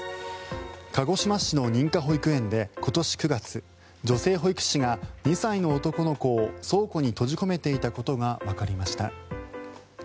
鹿児島市の認可保育園で今年９月女性保育士が２歳の男の子を倉庫に閉じ込めていたことがわかりました。